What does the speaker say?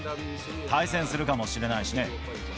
対戦するかもしれないしね。